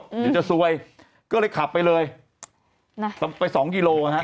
เดี๋ยวจะซวยก็เลยขับไปเลยไป๒กิโลนะฮะ